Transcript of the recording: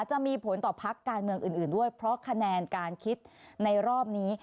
จะมีผลต่อพักการเมืองอื่นด้วยเพราะคะแนนการคิดในรอบนี้